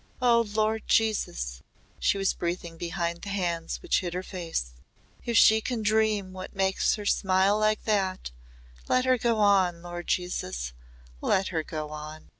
"Oh, Lord Jesus," she was breathing behind the hands which hid her face "if she can dream what makes her smile like that, let her go on, Lord Jesus let her go on."